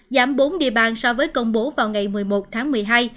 giảm bốn địa bàn so với công bố vào ngày một mươi một tháng một mươi hai